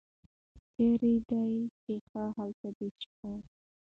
چېرې دې ښه هلته دې شپه.